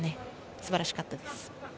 素晴らしかったです。